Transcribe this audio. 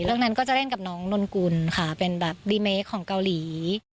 นั้นก็จะเล่นกับน้องนนกุลค่ะเป็นแบบดีเมคของเกาหลี